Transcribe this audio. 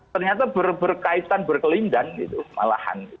ternyata berkaitan berkelindang gitu malahan